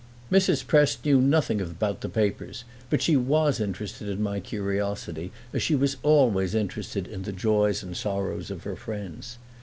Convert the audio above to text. Mrs. Prest knew nothing about the papers, but she was interested in my curiosity, as she was always interested in the joys and sorrows of her friends.